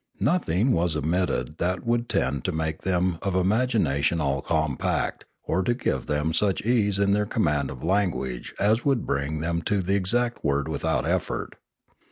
Nothing was omitted that would tend to make them of imagination all compact, or to give them such ease in their command of language as would bring them the exact word without effort.